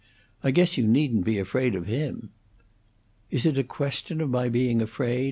"I guess you needn't be afraid of him." "Is it a question of my being afraid?"